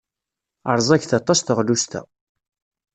Rẓaget aṭas teɣlust-a.